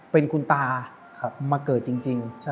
เป็นคุณตามาเกิดจริง